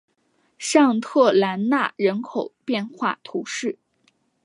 尚特兰讷人口变化图示